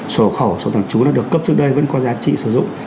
sổ hộ khẩu sổ tạm trú nó được cấp trước đây vẫn qua giá trị sử dụng